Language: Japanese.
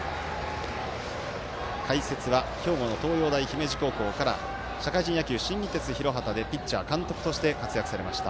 解説は兵庫の東洋大姫路高校から社会人野球、新日鉄広畑でピッチャー、監督として活躍されました